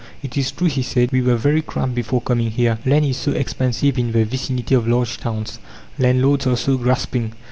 "It is true," he said, "we were very cramped before coming here. Land is so expensive in the vicinity of large towns landlords are so grasping!"